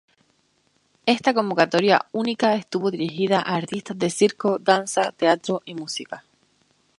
Esta convocatoria única estuvo dirigida a artistas de circo, danza, teatro y música.